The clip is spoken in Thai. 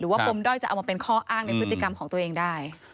ปมด้อยจะเอามาเป็นข้ออ้างในพฤติกรรมของตัวเองได้